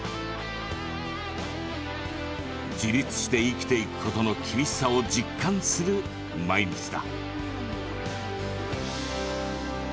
自立して生きていくことの厳しさを実感する毎日だ。